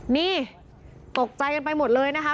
นี่ตกใจกันไปหมดเลยนะคะ